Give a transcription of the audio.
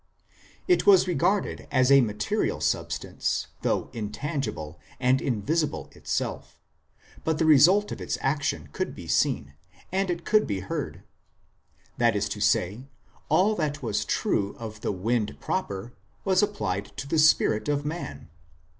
It was regarded as a material substance, though intangible, and invisible itself, but the result of its action could be seen, and it could be heard. That is to say, all that was true of the wind proper was applied to the spirit of man.